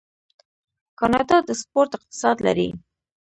کاناډا د سپورت اقتصاد لري.